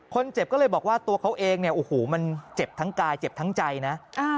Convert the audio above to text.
คนเจ็บก็เลยบอกว่าตัวเขาเองเนี่ยโอ้โหมันเจ็บทั้งกายเจ็บทั้งใจนะ